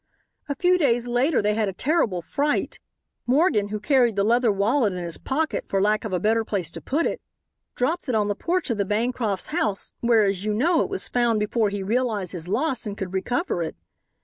"A few days later they had a terrible fright. Morgan, who carried the leather wallet in his pocket for lack of a better place to put it, dropped it on the porch of the Bancrofts' house where, as you know, it was found before he realized his loss and could recover it.